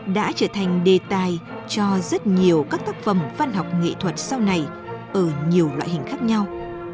đã trở thành đề tài cho rất nhiều các tác phẩm văn học nghệ thuật sau này ở nhiều loại hình khác nhau